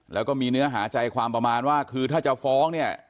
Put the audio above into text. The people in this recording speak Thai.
แล้วก็มีเนื้อหาใจความประมาณว่าคือถ้าจะฟ้องเนี่ย